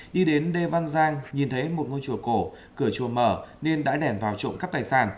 đi đến lê văn giang nhìn thấy một ngôi chùa cổ cửa chùa mở nên đã lẻn vào trộm cắp tài sản